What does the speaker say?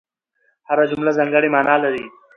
هره جمله ځانګړې مانا لري.